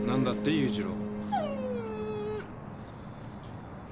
裕次郎。